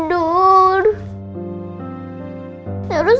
lalu aku mimpi buruk